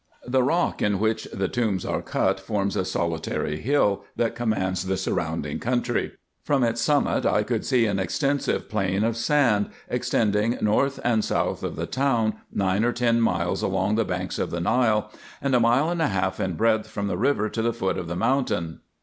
The rock in which the tombs are cut forms a solitary hill, that commands the surrounding country. From its summit I could see an extensive plain of sand, extending north and south of the town nine or ten miles along the banks of the Nile, and a mile and a half in breadth from the river to the foot of the mountain.